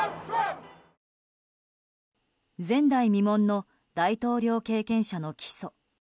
前代未聞の大統領経験者の起訴。